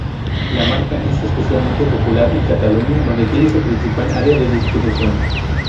La marca es especialmente popular en Cataluña, donde tiene su principal área de distribución.